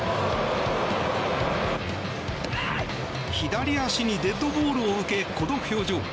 左足にデッドボールを受けこの表情。